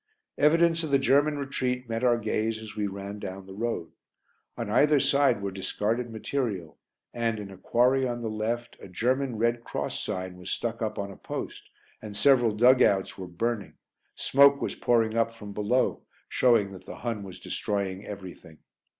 Evidence of the German retreat met our gaze as we ran down the road. On either side were discarded material and, in a quarry on the left, a German Red Cross sign was stuck up on a post, and several dug outs were burning smoke was pouring up from below, showing that the Hun was destroying everything.